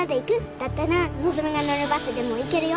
だったら希が乗るバスでも行けるよ。